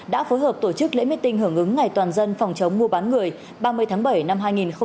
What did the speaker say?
đã phối hợp tổ chức lễ miết tình hưởng ứng ngày toàn dân phòng chống mô bán người ba mươi tháng bảy năm hai nghìn một mươi chín